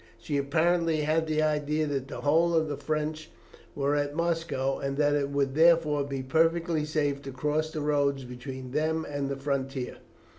She apparently had the idea that the whole of the French were at Moscow, and that it would, therefore, be perfectly safe to cross the roads between them and the frontier.